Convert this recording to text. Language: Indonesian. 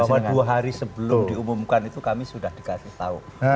bahwa dua hari sebelum diumumkan itu kami sudah dikasih tahu